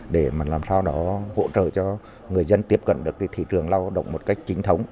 để làm sao đó hỗ trợ cho người dân tiếp cận được thị trường lao động một cách chính thống